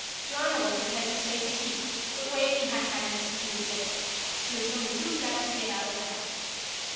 Joanna wanted her to stay to tea; but Waveney had had an excuse ready she was only too glad to get out of the house.